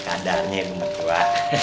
kadarnya ibu murtua